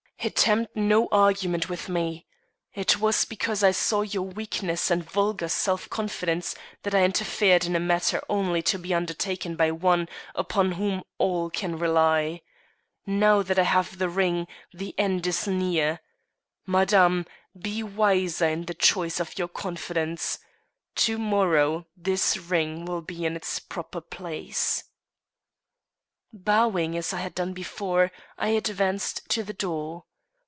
"Attempt no argument with me. It was because I saw your weakness and vulgar self confidence that I interfered in a matter only to be undertaken by one upon whom all can rely. Now that I have the ring, the end is near. Madame, be wiser in the choice of your confidants, To morrow this ring will be in its proper place." Bowing as I had done before, I advanced to the door.